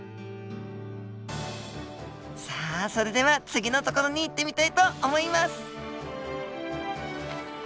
さあそれでは次の所に行ってみたいと思います。